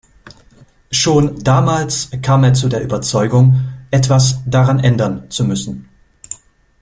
Schon damals kam er zu der Überzeugung, etwas daran ändern zu müssen.